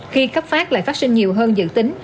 khi cấp phát lại phát sinh nhiều hơn dự tính